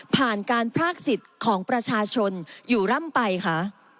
ผ่านการพรากสิทธิ์ของประชาชนอยู่ร่ำไปคะ